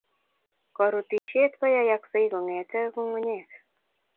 Korutishet koyayakse kongete ngungunyek.